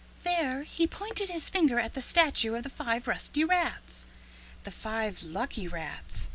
There he pointed his finger at the statue of the five rusty rats, the five lucky rats.